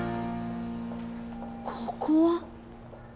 ここは？